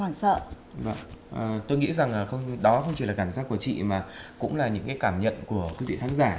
vâng tôi nghĩ rằng đó không chỉ là cảm giác của chị mà cũng là những cái cảm nhận của quý vị khán giả